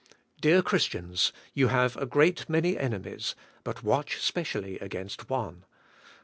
Dear Christians, you haye a great many enemies, but y^atch specially against one.